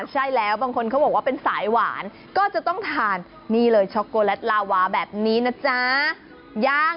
ใช่แล้วบางคนเขาบอกว่าเป็นสายหวานก็จะต้องทานนี่เลยช็อกโกแลตลาวาแบบนี้นะจ๊ะย่าง